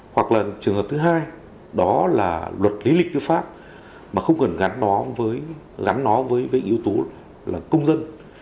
hoặc là trường hợp thứ hai đó là luật lý lịch tư pháp mà không cần gắn nó với yếu tố là công dân